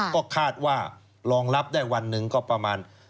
ก็คาดว่ารองรับได้วันหนึ่งก็ประมาณ